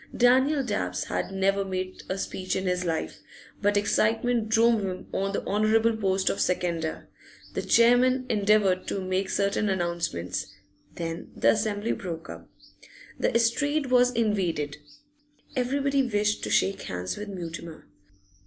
Daniel Dabbs had never made a speech in his life, but excitement drove him on the honourable post of seconder. The chairman endeavoured to make certain announcements; then the assembly broke up. The estrade was invaded; everybody wished to shake hands with Mutimer.